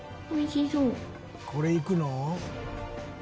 これいくの？